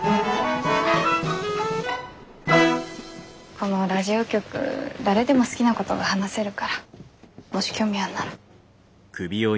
このラジオ局誰でも好きなことが話せるからもし興味あるなら。